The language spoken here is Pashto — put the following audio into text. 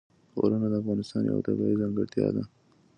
غرونه د افغانستان یوه طبیعي ځانګړتیا ده.